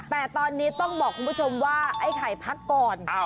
แต่ตอนนี้ต้องบอกคุณผู้ชมว่าไอ้ไข่พักก่อน